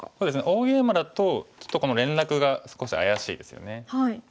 大ゲイマだとちょっとこの連絡が少し怪しいですよね。